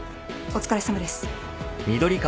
お疲れさまです。